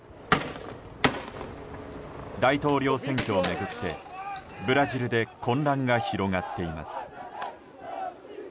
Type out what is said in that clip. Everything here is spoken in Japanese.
大統領選挙を巡って、ブラジルで混乱が広がっています。